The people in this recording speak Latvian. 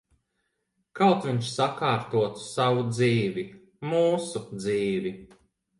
Kaut viņš sakārtotu savu dzīvi. Mūsu dzīvi.